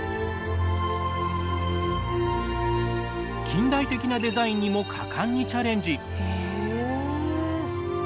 近代的なデザインにも果敢にチャレンジ。